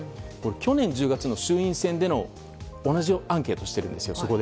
去年１０月の衆院選でも同じアンケートをしているんです。